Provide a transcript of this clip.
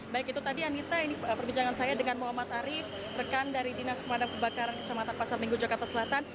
baik itu tadi anita ini perbincangan saya dengan muhammad arief rekan dari dinas pemadam kebakaran kecamatan pasar minggu jakarta selatan